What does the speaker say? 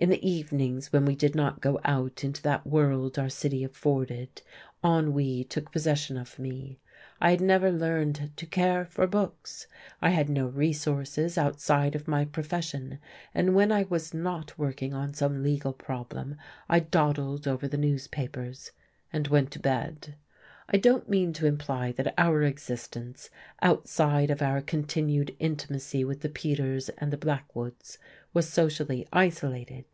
In the evenings when we did not go out into that world our city afforded ennui took possession of me: I had never learned to care for books, I had no resources outside of my profession, and when I was not working on some legal problem I dawdled over the newspapers and went to bed. I don't mean to imply that our existence, outside of our continued intimacy with the Peterses and the Blackwoods, was socially isolated.